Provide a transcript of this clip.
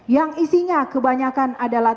yang isinya kebanyakan adalah